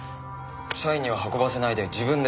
社員には運ばせないで自分で。